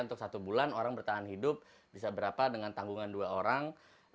untuk satu bulan orang bertahan hidup bisa berapa dengan tanggungan dua orang